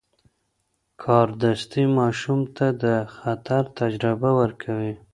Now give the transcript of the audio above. کاردستي ماشوم ته د خطر تجربه ورکوي.